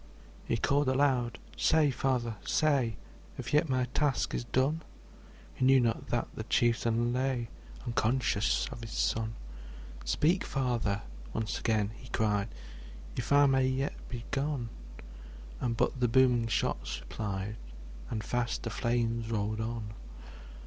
He called aloud, ``Say, Father, say, If yet my task is done!'' He knew not that the chieftain lay Unconscious of his son. ``Speak, Father!'' once again he cried, ``If I may yet be gone!'' And but the booming shots replied, And fast the flames rolled on on.